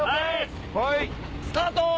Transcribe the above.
はい！スタート！